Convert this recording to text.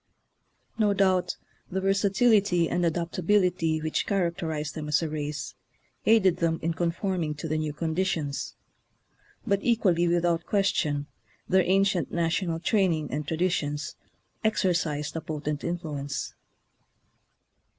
No doubt the versatility and adaptability which characterize them as a race aided them in conforming to the new condi tions; but, equally without question, their ancient national training and traditions exercised a potent influence.